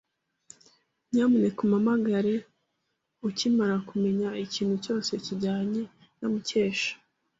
Nyamuneka umpamagare ukimara kumenya ikintu cyose kijyanye na Mukesha.